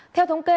theo thống kê